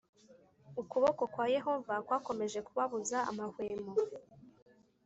ukuboko+ kwa yehova kwakomeje kubabuza amahwemo